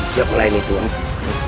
aku siap melayani tuanku